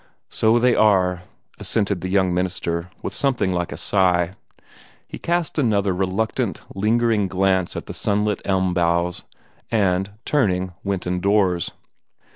"So they are!" assented the young minister, with something like a sigh. He cast another reluctant, lingering glance at the sunlit elm boughs, and, turning, went indoors.